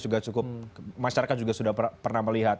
juga cukup masyarakat juga sudah pernah melihat